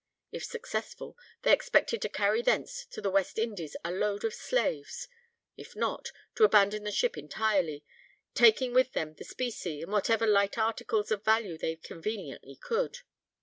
If successful, they expected to carry thence to the West Indies a load of slaves if not, to abandon the ship entirely, taking with them the specie, and whatever light articles of value they conveniently could.